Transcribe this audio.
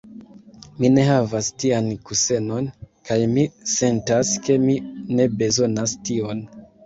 Mi ne havas tian kusenon, kaj mi sentas ke mi ne bezonas tion.